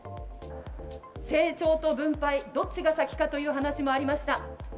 成長と分配、どっちが先かという話もありました。